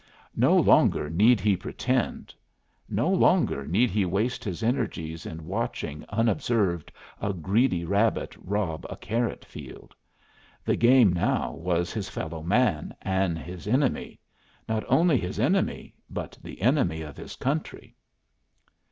No longer need he pretend. No longer need he waste his energies in watching, unobserved, a greedy rabbit rob a carrot field. The game now was his fellow man and his enemy; not only his enemy, but the enemy of his country.